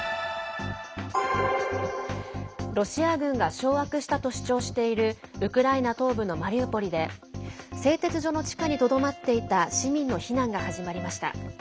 ロシア軍が掌握したと主張しているウクライナ東部のマリウポリで製鉄所の地下にとどまっていた市民の避難が始まりました。